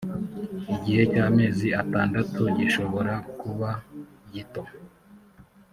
igihe cy’amezi atandatu gishobora kuba gito